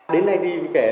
đến nay đi với kẻ